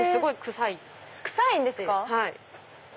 臭いんですか